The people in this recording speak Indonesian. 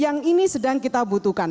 yang ini sedang kita butuhkan